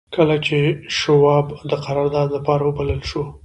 کله چې شواب د قرارداد لپاره وبلل شو.